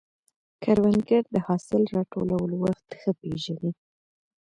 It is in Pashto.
کروندګر د حاصل راټولولو وخت ښه پېژني